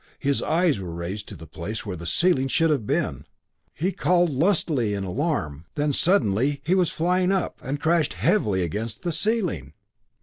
His eyes were raised to the place where the ceiling should have been he called lustily in alarm then suddenly he was flying up and crashed heavily against the invisible ceiling!